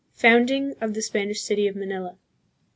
Founding of the Spanish City of Manila.